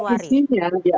termasuk juga isinya